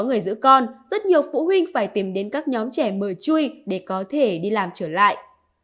người giữ con rất nhiều phụ huynh phải tìm đến các nhóm trẻ mờ chui để có thể đi làm trở lại